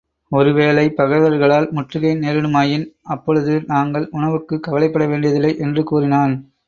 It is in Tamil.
ஒரு வேளை பகைவர்களால் முற்றுகை நேரிடுமாயின் அப்பொழுது நாங்கள் உணவுக்குக் கவலைப்பட வேண்டியதில்லை என்று கூறினான்.